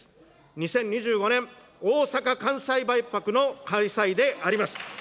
２０２５年、大阪・関西万博の開催であります。